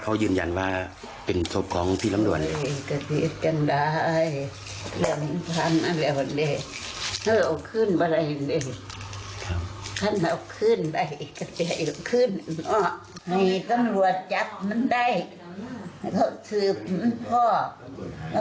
เขาถือพ่อแล้วมันอยู่ใส่จับมาร่วมโทษแล้วมันรับโทษตัว